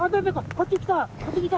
こっち来た！